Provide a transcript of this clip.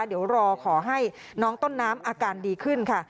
เดี๋ยวรอขอให้น้องต้นน้ำอาการดีขึ้นค่ะ